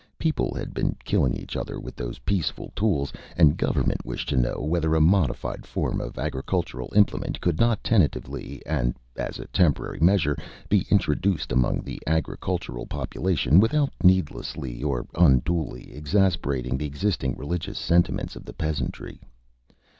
People had been killing each other with those peaceful tools; and Government wished to know "whether a modified form of agricultural implement could not, tentatively and as a temporary measure, be introduced among the agricultural population without needlessly or unduly exasperating the existing religious sentiments of the peasantry."